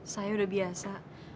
saya udah biasa